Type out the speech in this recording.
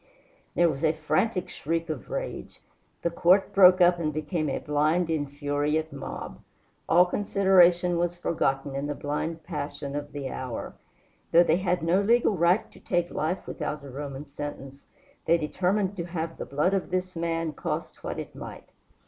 There was a frantic shriek of rage. The court broke up and became a blind, infuriate mob. All consideration was forgotten in the blind passion of the hour. Though they had no legal right to take life without a Roman sentence, they determined to have the blood of this man, cost what it might.